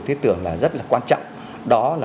thiết tưởng là rất là quan trọng đó là